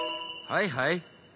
はいはい。